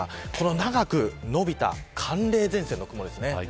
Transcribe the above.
長く伸びた寒冷前線の雲ですね。